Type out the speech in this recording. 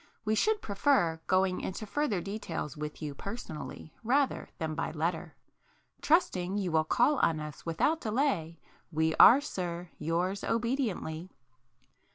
We should prefer going into further details with you personally rather than by letter. [p 13] Trusting you will call on us without delay, we are, Sir, yours obediently...."